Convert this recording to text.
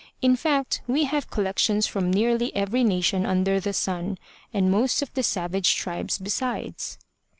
In fact we have collections from nearly every nation under the sun and most of the savage tribes besides.